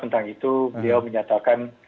tentang itu beliau menyatakan